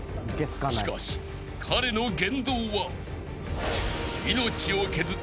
［しかし彼の言動は］